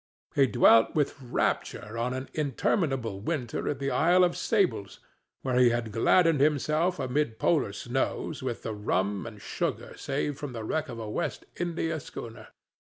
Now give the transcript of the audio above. He dwelt with rapture on an interminable winter at the Isle of Sables, where he had gladdened himself amid polar snows with the rum and sugar saved from the wreck of a West India schooner.